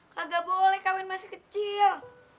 tidak boleh kawin masih kecil